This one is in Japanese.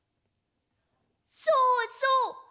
そうそう！